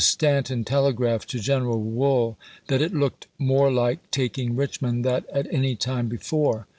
Stanton telegraphed to General Wool that it looked " more like taking Eichmond than at any time be fore."